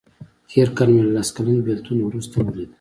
تېر کال مې له لس کلن بیلتون وروسته ولیده.